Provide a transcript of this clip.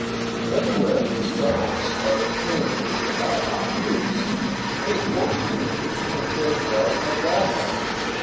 Everywhere the escarpments are fringed with outlying buttes. Many portions of the region are characterized by bad lands.